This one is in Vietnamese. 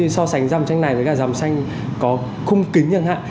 so sánh dòng tranh này với cả dòng xanh có khung kính chẳng hạn